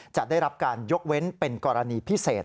จะได้รับการยกเว้นเป็นกรณีพิเศษ